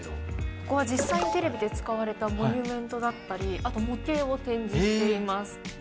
ここは実際にテレビで使われたモニュメントだったりあと模型を展示しています。